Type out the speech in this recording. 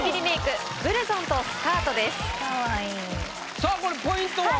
さぁこれポイントは？